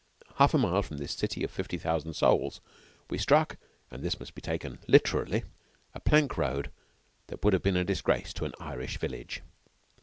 Half a mile from this city of fifty thousand souls we struck (and this must be taken literally) a plank road that would have been a disgrace to an Irish village.